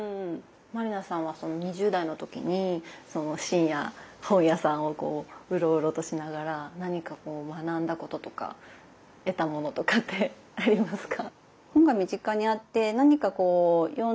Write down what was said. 満里奈さんはその２０代の時に深夜本屋さんをうろうろとしながら何か学んだこととか得たものとかってありますか？